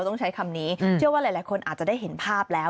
ต้องใช้คำนี้เชื่อว่าหลายคนอาจจะได้เห็นภาพแล้ว